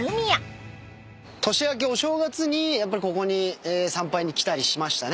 年明けお正月にやっぱりここに参拝に来たりしましたね。